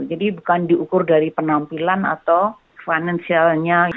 jadi bukan diukur dari penampilan atau finansialnya